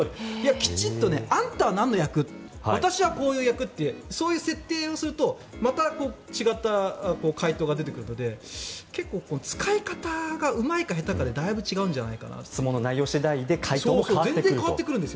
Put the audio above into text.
きちっと、あなたは何の役私はこういう役そういう設定をするとまた違った回答が出てくるので結構、使い方がうまいか下手かで質問の内容次第で回答も変わってくると。